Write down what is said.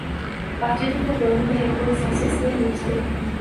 Partido Cubano da Revolução Socialista